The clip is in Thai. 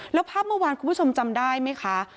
แล้วภาพเมื่อวานคุณผู้ชมจำได้ไหมคะ